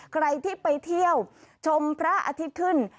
ใครที่ไปเที่ยวชมพระอาทิตย์ขึ้น